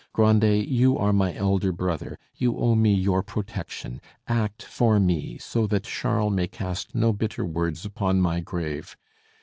Grandet, you are my elder brother, you owe me your protection; act for me so that Charles may cast no bitter words upon my grave!